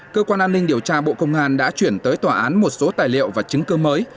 cơ quan an ninh điều tra bộ công an đã chuyển tới tòa án một số tài liệu và chứng cơ mới